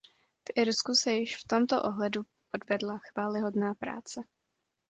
V Irsku se již v tomto ohledu odvedla chvályhodná práce.